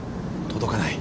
届かない。